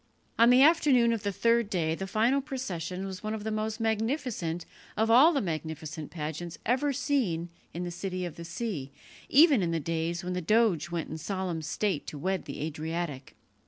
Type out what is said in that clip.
On the afternoon of the third day the final procession was one of the most magnificent of all the magnificent pageants ever seen in the City of the Sea, even in the days when the doge went in solemn state to wed the Adriatic.